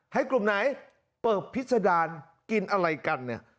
ให้กลุ่มไหนเปิบพิษดารกินอะไรกันเนี่ย